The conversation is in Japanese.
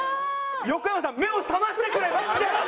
横山さん目を覚ましてくれマジで！